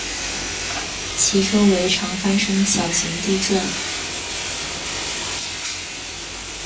其周围常发生小型地震。